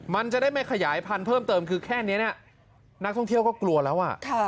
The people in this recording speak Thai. มันจะได้ไม่ขยายพันธุ์เพิ่มเติมคือแค่นี้นักท่องเที่ยวก็กลัวแล้ว